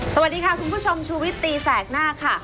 สวัสดีค่ะคุณผู้ชมชูวิตตีแสกหน้าค่ะ